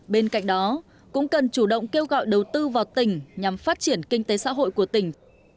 bên cạnh đó cũng cần chủ động kêu gọi đầu tư vào tỉnh nhằm phát triển kinh tế xã hội của tỉnh